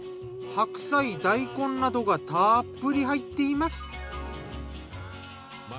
白菜大根などがたっぷり入っています。